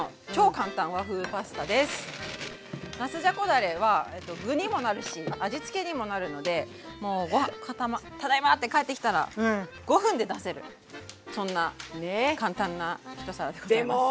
だれは具にもなるし味付けにもなるので「ただいま」って帰ってきたら５分で出せるそんな簡単な一皿でございます。